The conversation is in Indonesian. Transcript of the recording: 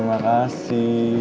orang harus ikut jari ya